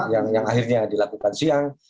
yang akhirnya dilakukan siang